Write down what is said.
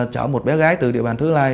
chở một bé gái từ địa bàn thứ lai